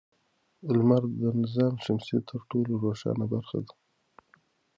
لمر د نظام شمسي تر ټولو روښانه برخه ده.